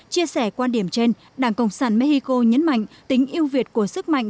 chia sẻ quan điểm trên đảng cộng sản mexico nhấn mạnh tính yêu việt của sức mạnh